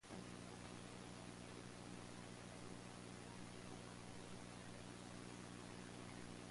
However, he continues to make some public appearances and give public interviews.